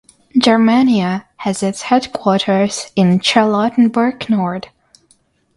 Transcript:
Germania has its headquarters in Charlottenburg-Nord.